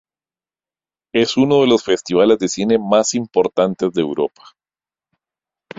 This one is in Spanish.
Es uno de los festivales de cine más importantes de Europa.